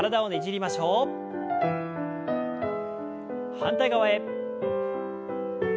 反対側へ。